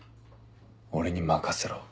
俺に任せろ。